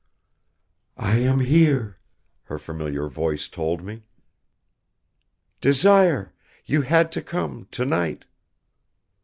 "I am here," her familiar voice told me. "Desire, you had to come, tonight."